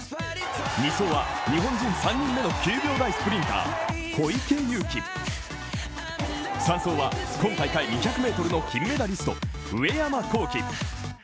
２走は日本人３人目の９秒台スプリンター、小池祐貴、３走は今大会２００ｍの金メダリスト、上山紘輝。